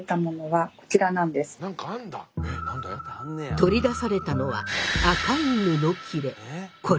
取り出されたのは赤い布切れ。